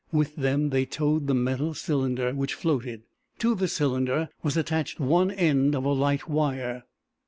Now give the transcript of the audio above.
With them they towed the metal cylinder, which floated. To the cylinder was attached one end of the light wire.